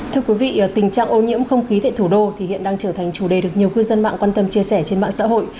thưa quý vị tình trạng ô nhiễm không khí tại thủ đô thì hiện đang trở thành chủ đề được nhiều cư dân mạng quan tâm chia sẻ trên mạng xã hội